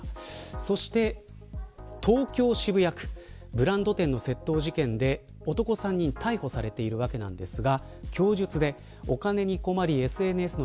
そして東京、渋谷区ブランド店の窃盗事件で男３人逮捕されていますが。